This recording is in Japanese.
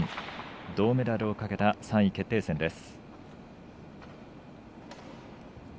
銅メダルをかけた３位決定戦です。